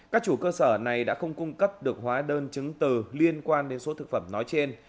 các chủ cơ sở này đã không cung cấp được hóa đơn chứng từ liên quan đến số thực phẩm nói trên